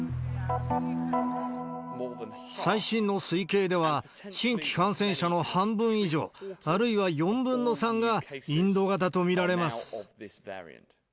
最新の推計では、新規感染者の半分以上、あるいは４分の３がインド型と見られます。